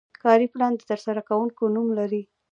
کاري پلان د ترسره کوونکي نوم لري.